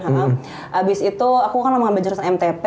habis itu aku kan lama nganjurin mtp